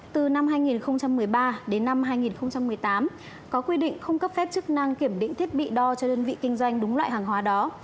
từ năm hai nghìn một mươi ba đến năm hai nghìn một mươi tám có quy định không cấp phép chức năng kiểm định thiết bị đo cho đơn vị kinh doanh đúng loại hàng hóa đó